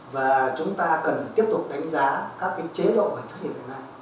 và chúng ta cần tiếp tục đánh giá các chế độ bảo hiểm thất nghiệp này